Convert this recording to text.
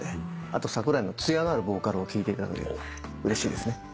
あと桜井の艶があるボーカルを聴いていただければうれしいです。